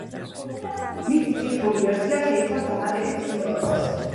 მისი ციფრული ვერსია შეიცავს დამატებით სიმღერას.